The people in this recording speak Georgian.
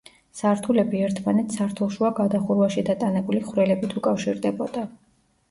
სართულები ერთმანეთს სართულშუა გადახურვაში დატანებული ხვრელებით უკავშირდებოდა.